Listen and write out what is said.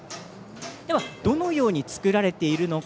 どのように作られているのか